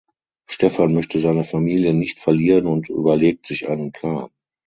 Stefan möchte seine Familie nicht verlieren und überlegt sich einen Plan.